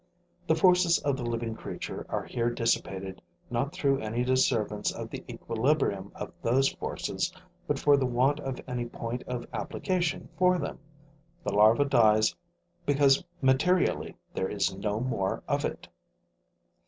The forces of the living creature are here dissipated not through any disturbance of the equilibrium of those forces, but for the want of any point of application for them: the larva dies because materially there is no more of it.